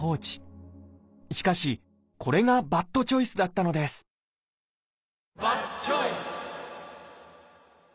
しかしこれがバッドチョイスだったのですバッドチョイス！